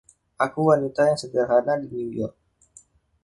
Aku wanita yang sederhana di New York.